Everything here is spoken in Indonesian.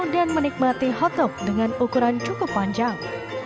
dan menikmati hotdog dengan ukuran cukup panjang